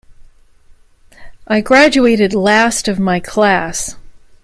I graduated last of my class.